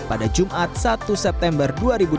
pada jumat satu september dua ribu dua puluh